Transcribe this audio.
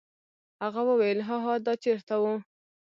هغه وویل: هاها دا چیرته و؟